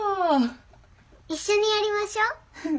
一緒にやりましょう！